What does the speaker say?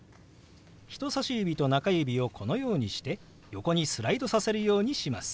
人さし指と中指をこのようにして横にスライドさせるようにします。